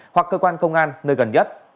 hoặc cơ quan công an nơi gần nhất